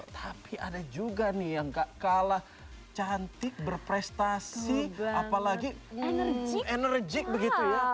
tapi ada juga nih yang gak kalah cantik berprestasi apalagi enerjik begitu ya